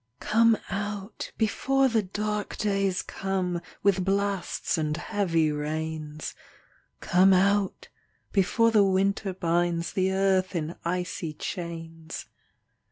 Come out, before the dark days come, With blasts and heavy rains : Come out, before the winter binds The earth in icy chains.